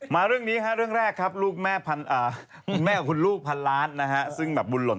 ฟันได้เลยฮะแต่ละพี่มันยาวเท่านั้นเลย